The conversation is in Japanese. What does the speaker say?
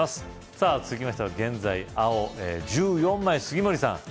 さぁ続きましては現在青１４枚杉森さん